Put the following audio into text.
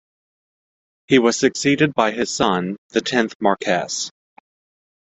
He was succeeded by his son, the tenth Marquess.